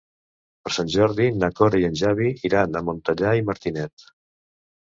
Per Sant Jordi na Cora i en Xavi iran a Montellà i Martinet.